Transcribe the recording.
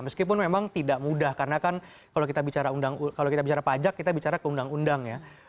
meskipun memang tidak mudah karena kan kalau kita bicara pajak kita bicara ke undang undang ya